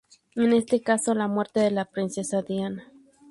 En este caso, la muerte de la princesa Diana.